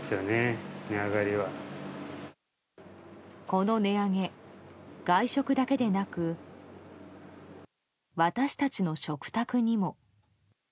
この値上げ外食だけでなく私たちの食卓にも。